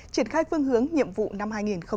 triển khai phương hướng nhiệm vụ năm hai nghìn hai mươi